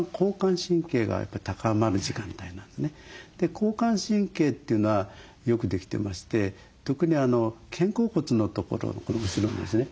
交感神経というのはよくできてまして特に肩甲骨のところこの後ろのですね